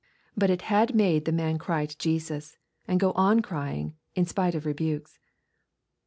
But it had made the man cry to Jesus, and go on crying in spite of rebukes.